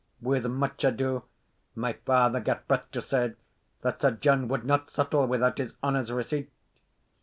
With much ado my father gat breath to say that Sir John would not settle without his honour's receipt.